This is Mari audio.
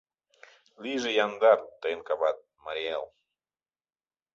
Лийже яндар Тыйын кават, Марий Эл!